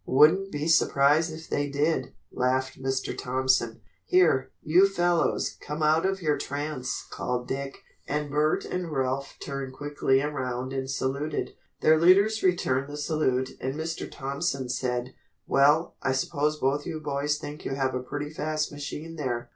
"Wouldn't be surprised if they did," laughed Mr. Thompson. "Here, you fellows come out of your trance," called Dick, and Bert and Ralph turned quickly around and saluted. Their leaders returned the salute, and Mr. Thompson said: "Well, I suppose both you boys think you have a pretty fast machine there.